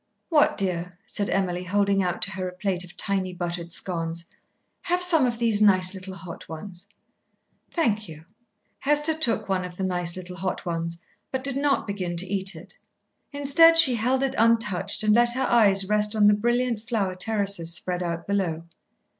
"What, dear?" said Emily, holding out to her a plate of tiny buttered scones. "Have some of these nice, little hot ones." "Thank you." Hester took one of the nice, little hot ones, but did not begin to eat it. Instead, she held it untouched and let her eyes rest on the brilliant flower terraces spread out below.